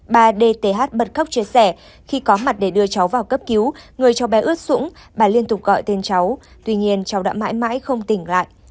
bà dth bật khóc chia sẻ khi có mặt để đưa cháu vào cấp cứu người cho bé ướt sũng bà liên tục gọi tên cháu tuy nhiên cháu đã mãi mãi không tỉnh lại